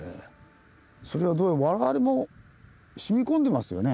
それはどうも我々もしみこんでますよね